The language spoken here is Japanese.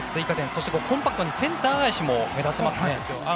そしてコンパクトにセンター返しも目立ちますね。